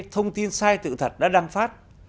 thông tin sai tự thật đã đăng phát